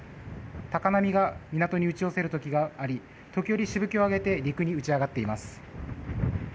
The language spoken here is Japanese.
高波が港に打ち寄せる時があり時折しぶきを上げて陸に打ち上がっています。